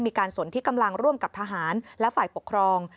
สนที่กำลังร่วมกับทหารและฝ่ายปกครอง